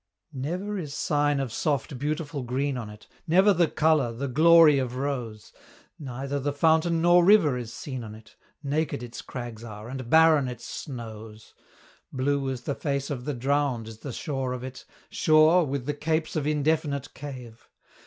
Never is sign of soft, beautiful green on it Never the colour, the glory of rose! Neither the fountain nor river is seen on it, Naked its crags are, and barren its snows! Blue as the face of the drowned is the shore of it Shore, with the capes of indefinite cave.